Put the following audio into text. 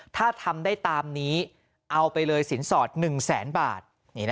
ถ้าทำได้ตามนี้เอาไปเลยสินสอด๑แสนบาท